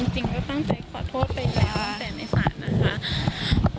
จริงก็ตั้งใจขอโทษไปแล้วแต่ในศาลนะคะ